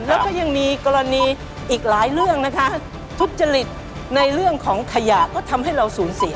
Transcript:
แล้วก็ยังมีกรณีอีกหลายเรื่องนะคะทุจริตในเรื่องของขยะก็ทำให้เราสูญเสีย